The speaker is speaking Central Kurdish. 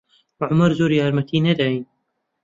عومەر زۆر یارمەتی نەداین.